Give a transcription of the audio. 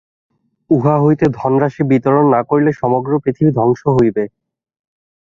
উহা হইতে ধনরাশি বিতরণ না করিলে সমগ্র পৃথিবী ধ্বংস হইবে।